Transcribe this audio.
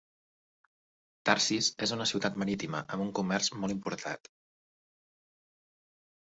Tarsis és una ciutat marítima amb un comerç molt importat.